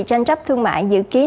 tranh chấp thương mại dự kiến